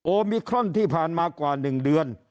มิครอนที่ผ่านมากว่า๑เดือน